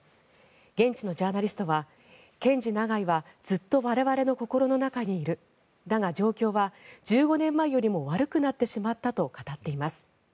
現地のジャーナリストはケンジ・ナガイはずっと我々の心の中にいるだが、状況は、１５年前よりも悪くなってしまったと語っています。